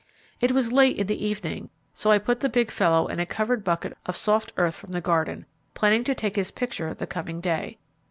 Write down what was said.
It was late in the evening, so I put the big fellow in a covered bucket of soft earth from the garden, planning to take his picture the coming day.